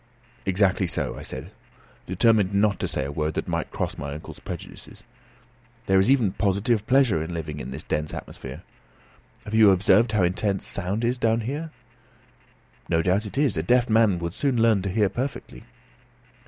"Exactly so," I said, determined not to say a word that might cross my uncle's prejudices. "There is even positive pleasure in living in this dense atmosphere. Have you observed how intense sound is down here?" "No doubt it is. A deaf man would soon learn to hear perfectly."